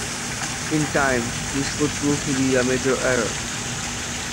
In time, this would prove to be a major error.